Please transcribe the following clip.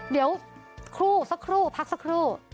เดี๋ยวคลุพักสักครู่